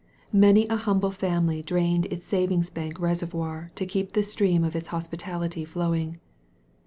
Many a hmnble family drained its savings bank reservoir to ke^ the stream of its hospitality flowing.